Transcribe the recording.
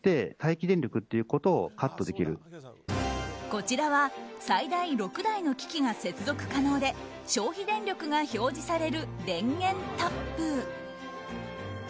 こちらは最大６台の機器が接続可能で消費電力が表示される電源タップ。